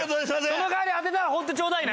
その代わり当てたらホントちょうだいね。